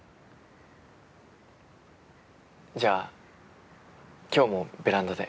じゃあ今日もベランダで。